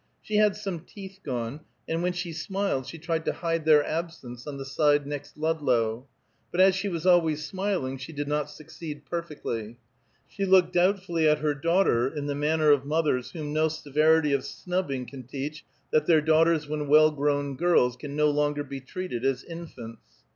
She had some teeth gone, and when she smiled she tried to hide their absence on the side next Ludlow; but as she was always smiling she did not succeed perfectly. She looked doubtfully at her daughter, in the manner of mothers whom no severity of snubbing can teach that their daughters when well grown girls can no longer be treated as infants.